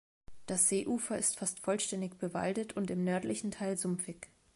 Das Seeufer ist fast vollständig bewaldet und im nördlichen Teil sumpfig.